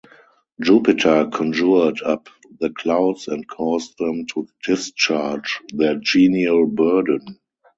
Jupiter conjured up the clouds and caused them to discharge their genial burden.